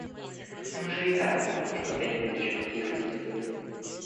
Он уже и так, матушка, пять булочек скушать изволил.